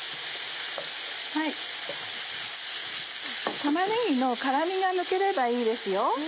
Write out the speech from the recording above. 玉ねぎの辛みが抜ければいいですよ。